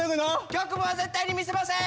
局部は絶対に見せません！